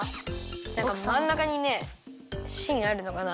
なんかまんなかにねしんあるのかなとおもってて。